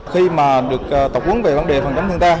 khi mà được tập quấn về vấn đề phòng chống thiên tai